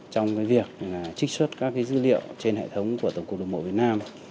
trong việc trích xuất các dữ liệu trên hệ thống của tổng cục đường mộ việt nam